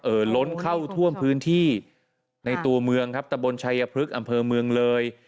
ล้นเข้าท่วมพื้นที่ในตัวเมืองครับตะบนชายพฤกษ์อำเภอเมืองเลย